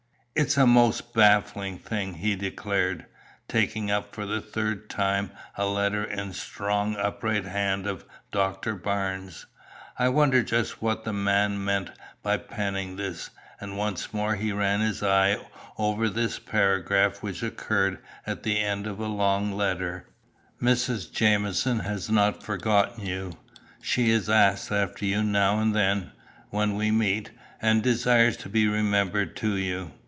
"It's a most baffling thing," he declared, taking up for the third time a letter in the strong upright hand of Doctor Barnes. "I wonder just what the man meant by penning this," and once more he ran his eye over this paragraph which occurred at the end of a long letter: "Mrs. Jamieson has not forgotten you. She asks after you now and then, when we meet, and desires to be remembered to you.